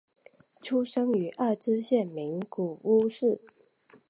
出生于爱知县名古屋市。